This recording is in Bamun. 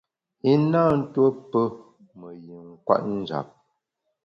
I na tuo pe me yin kwet njap.